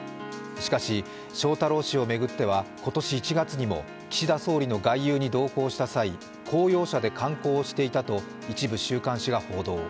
しかし翔太郎氏を巡っては今年１月にも岸田総理の外遊に同行した際公用車で観光をしていたと一部週刊誌が報道。